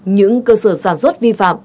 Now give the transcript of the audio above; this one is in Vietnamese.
những cơ sở sản xuất vi phạm